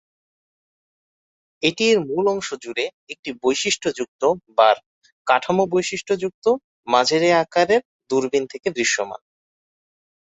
এটি এর মূল অংশ জুড়ে একটি বৈশিষ্ট্যযুক্ত "বার" কাঠামো বৈশিষ্ট্যযুক্ত, মাঝারি আকারের দূরবীন থেকে দৃশ্যমান।